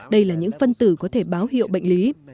đây là những phân tử có thể báo hiệu bệnh lý